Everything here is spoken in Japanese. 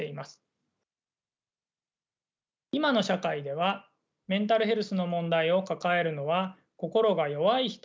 今の社会ではメンタルヘルスの問題を抱えるのは心が弱い人と考えられがちです。